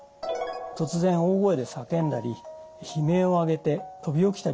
突然大声で叫んだり悲鳴を上げて飛び起きたりします。